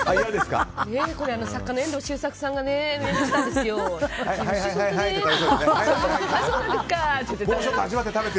これ、作家の遠藤周作さんがね命名したんですよって。